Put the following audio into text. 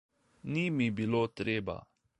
Ni mi bilo treba.